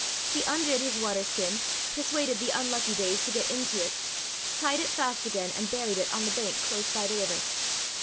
He undid his water skin, persuaded the Unlucky Days to get into it, tied it fast again and buried it on the bank close by the river.